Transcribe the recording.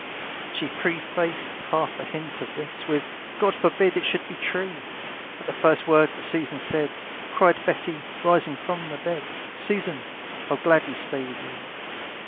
She prefaced half a hint of this With, "God forbid it should be true!" At the first word that Susan said Cried Betty, rising from the bed, "Susan, I'd gladly stay with you.